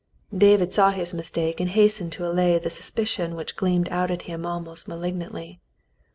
David saw his mistake and hastened to allay the sus picion which gleamed out at him almost malignantly.